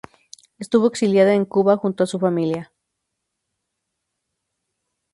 Estuvo exiliada en Cuba junto a su familia.